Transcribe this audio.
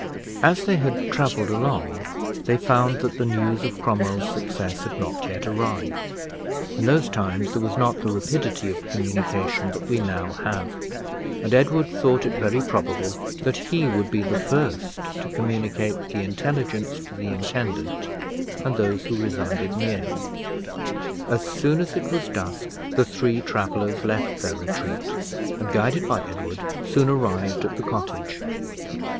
As they had traveled along, they found that the news of Cromwell's success had not yet arrived: in those times there was not the rapidity of communication that we now have, and Edward thought it very probable that he would be the first to communicate the intelligence to the intendant and those who resided near him. As soon as it was dusk the three travelers left their retreat, and, guided by Edward, soon arrived at the cottage.